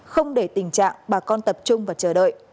không để tình trạng bà con tập trung và chờ đợi